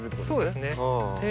そうですね。